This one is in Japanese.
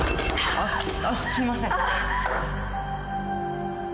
あっすいません